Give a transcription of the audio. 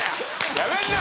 やめんな！